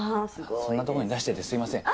そんなとこに出しててすいません。